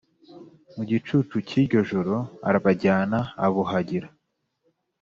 Mu gicuku cy iryo joro arabajyana abuhagira